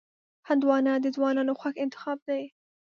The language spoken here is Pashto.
هندوانه د ځوانانو خوښ انتخاب دی.